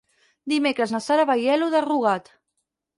Dimecres na Sara va a Aielo de Rugat.